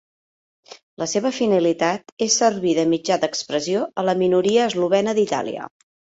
La seva finalitat és servir de mitjà d'expressió a la minoria eslovena d'Itàlia.